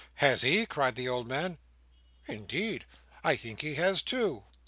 "Has he?" cried the old man. "Indeed I think he has too."